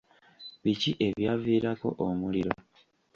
Biki ebyaviirako omuliro?